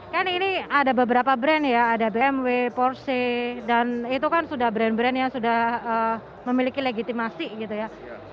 kan ini ada beberapa brand ya ada bmw porsey dan itu kan sudah brand brand yang sudah memiliki legitimasi gitu ya